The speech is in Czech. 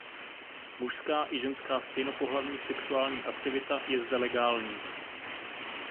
Mužská i ženská stejnopohlavní sexuální aktivita je zde legální.